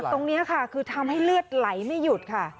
ตรงนี้ค่ะคือทำให้เลือดไหลไม่หยุดค่ะ